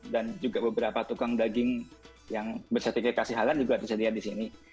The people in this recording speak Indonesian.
dan juga beberapa tukang daging yang bersetiket kasih halal juga disediakan di sini